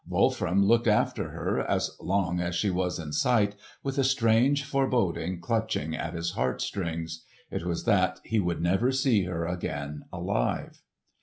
Wolfram looked after her, as long as she was in sight, with a strange foreboding clutching at his heart strings,—it was that he would never see her again alive.